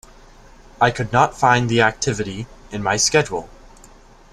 I could not find the activity in my Schedule.